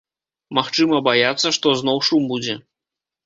Магчыма, баяцца, што зноў шум будзе.